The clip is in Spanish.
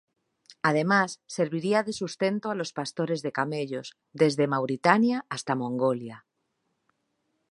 Además, serviría de sustento a los pastores de camellos, desde Mauritania hasta Mongolia.